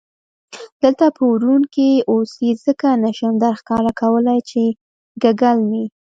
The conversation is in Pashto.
دلته په ورون کې، اوس یې ځکه نه شم درښکاره کولای چې ګلګل مې.